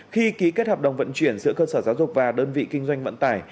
khi ký kết hợp đồng vận chuyển giữa cơ sở giáo dục và đơn vị kinh doanh vận tải